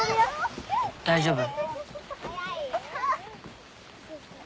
大丈夫？